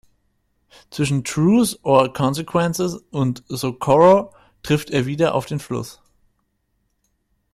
Zwischen Truth or Consequences und Socorro trifft er wieder auf den Fluss.